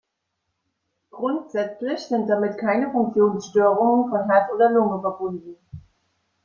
Grundsätzlich sind damit keine Funktionsstörungen von Herz oder Lunge verbunden.